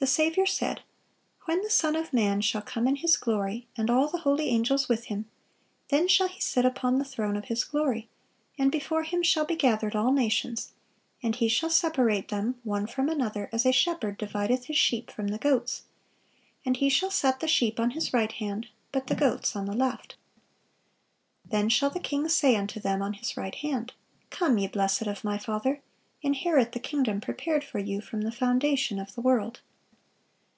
The Saviour said: "When the Son of man shall come in His glory, and all the holy angels with Him, then shall He sit upon the throne of His glory: and before Him shall be gathered all nations: and He shall separate them one from another, as a shepherd divideth his sheep from the goats: and He shall set the sheep on His right hand, but the goats on the left. Then shall the King say unto them on His right hand, Come, ye blessed of My Father, inherit the kingdom prepared for you from the foundation of the world."